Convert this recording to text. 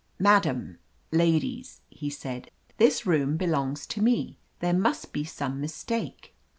"Madam — ladies," he said, "this room be longs to me. There must be some mistake."